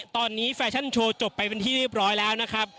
ตอนนี้แฟชั่นโชว์จบไปเป็นที่เรียบร้อยแล้วนะครับ